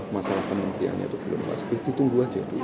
masalah penertiannya itu belum pasti ditunggu aja